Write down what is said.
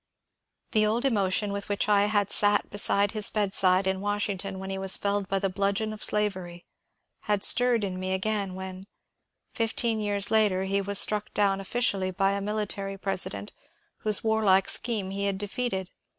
The old emotion with which I had sat at his bedside in Washington when he was felled by the bludgeon of slavery had stirred in me again when, fifteen years later, he was struck down offi cially by a military president whose warlike scheme he had defeated.